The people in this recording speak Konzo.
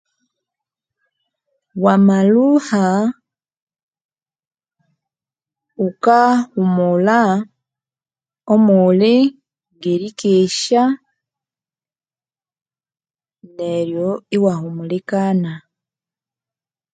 Wamalhuha ghukahumulha omulhi ngerikesha neryo iwahumilikana.